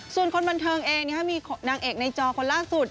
ส่วนคนบันเทิงเองมีนางเอกในจอคนล่าสุด